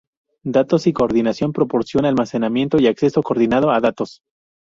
Datos y coordinación, proporciona almacenamiento y acceso coordinado a datos.